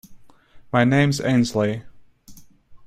My name’s Ainslie.